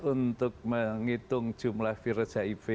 untuk menghitung jumlah virus hiv